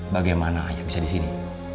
bagaimana ayo bisa di sini